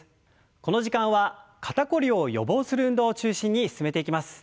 この時間は肩凝りを予防する運動を中心に進めていきます。